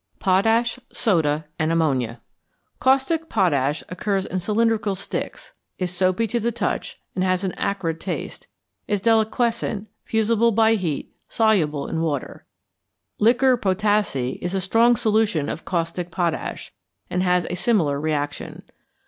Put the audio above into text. POTASH, SODA, AND AMMONIA =Caustic Potash= occurs in cylindrical sticks, is soapy to the touch, has an acrid taste, is deliquescent, fusible by heat, soluble in water. =Liquor Potassæ= is a strong solution of caustic potash, and has a similar reaction.